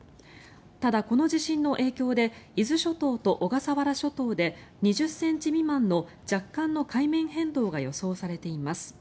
ただ、この地震の影響で伊豆諸島と小笠原諸島で２０ｃｍ未満の若干の海面変動が予想されています。